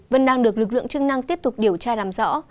vẫn đang được lực lượng chức năng tiếp tục điều tra làm rõ